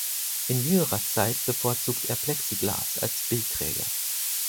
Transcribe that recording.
In jüngerer Zeit bevorzugt er Plexiglas als Bildträger.